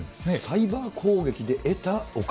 サイバー攻撃で得たお金。